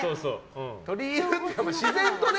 取り入るって自然とね。